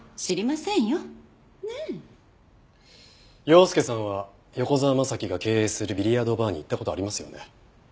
陽介さんは横沢征が経営するビリヤードバーに行った事ありますよね？